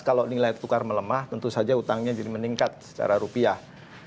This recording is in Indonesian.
kalau nilai tukar melemah tentu saja utangnya jadi meningkat secara rupiah